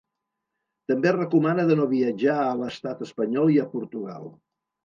També recomana de no viatjar a l’estat espanyol i a Portugal.